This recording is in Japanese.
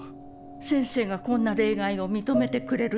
先生がこんな例外を認めてくれるなんて。